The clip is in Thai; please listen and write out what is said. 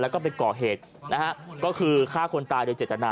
แล้วก็ไปก่อเหตุนะฮะก็คือฆ่าคนตายโดยเจตนา